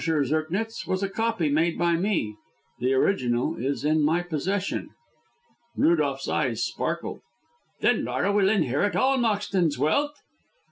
Zirknitz, was a copy made by me; the original is in my possession." Rudolph's eyes sparkled. "Then Laura will inherit all Moxton's wealth?"